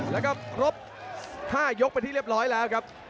แล้วก็ครบ๕ยกเป็นที่เรียบร้อยแล้วครับ